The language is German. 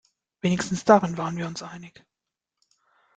Wenigstens darin waren wir uns einig.